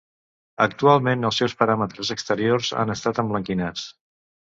Actualment els seus paràmetres exteriors han estat emblanquinats.